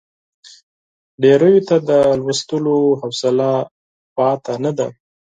ډېریو ته د لوستلو حوصله پاتې نه ده.